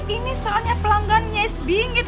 ini soalnya pelanggannya is bingit